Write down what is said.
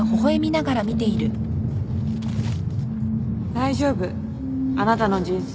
大丈夫。あなたの人生